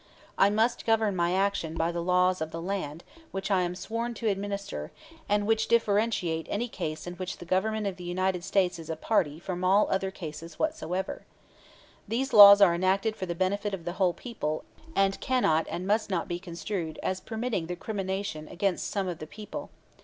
I must govern my action by the laws of the land, which I am sworn to administer, and which differentiate any case in which the Government of the United States is a party from all other cases whatsoever. These laws are enacted for the benefit of the whole people, and cannot and must not be construed as permitting the crimination against some of the people.